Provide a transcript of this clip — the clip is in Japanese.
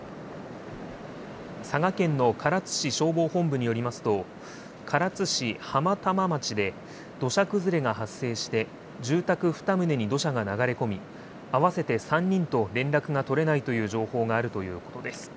佐賀県の唐津市消防本部によりますと、唐津市浜玉町で土砂崩れが発生して、住宅２棟に土砂が流れ込み、合わせて３人と連絡が取れないという情報があるということです。